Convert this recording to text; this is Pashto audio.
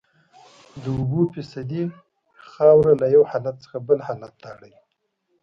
د اوبو فیصدي خاوره له یو حالت څخه بل حالت ته اړوي